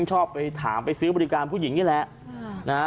ชอบไปถามแล้วไปซื้อบริการพวกผู้หญิงนี่แหละ